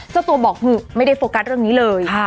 เจ้าตัวบอกคือไม่ได้โฟกัสเรื่องนี้เลย